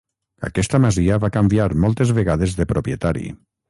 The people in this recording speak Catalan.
Aquesta masia va canviar moltes vegades de propietari.